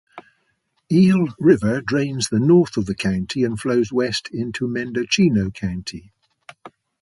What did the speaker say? Eel River drains the north of the county and flows west into Mendocino County.